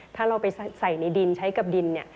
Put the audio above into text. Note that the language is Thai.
ถ้าเราไปใส่ในดินใช้กับดินเนี่ย